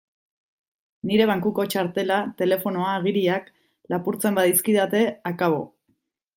Nire bankuko txartela, telefonoa, agiriak... lapurtzen badizkidate, akabo!